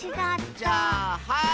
じゃあはい！